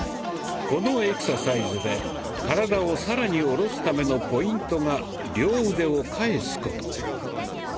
このエクササイズで体を更に下ろすためのポイントが両腕を返すこと。